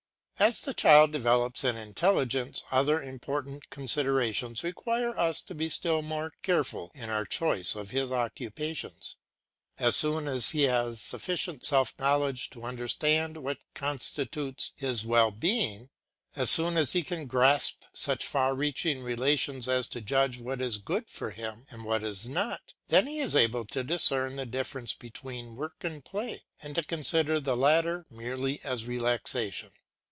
As the child develops in intelligence other important considerations require us to be still more careful in our choice of his occupations. As soon as he has sufficient self knowledge to understand what constitutes his well being, as soon as he can grasp such far reaching relations as to judge what is good for him and what is not, then he is able to discern the difference between work and play, and to consider the latter merely as relaxation.